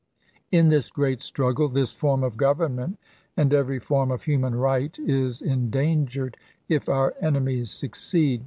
In this great struggle this form of govern ment, and every form of human right, is en dangered if our enemies succeed.